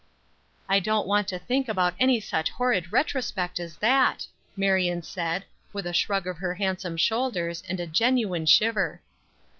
"I don't want to think about any such horrid retrospect as that!" Marion said, with a shrug of her handsome shoulders, and a genuine shiver.